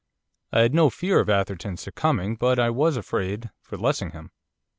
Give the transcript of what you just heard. I had no fear of Atherton's succumbing, but I was afraid for Lessingham.